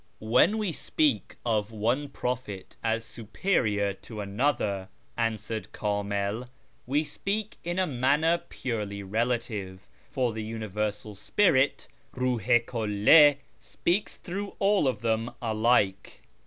" AVhen we speak of one prophet as superior to another," answered Kamil, " we speak in a manner purely relative, for the Universal Spirit (Eilh i KuUi) speaks through all of them alike.